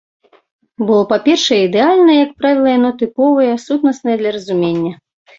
Бо, па-першае, ідэальнае, як правіла, яно тыповае, сутнаснае для разумення.